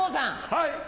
はい。